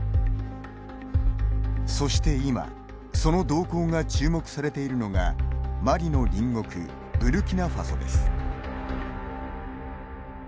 そして今その動向が注目されているのがマリの隣国、ブルキナファソです。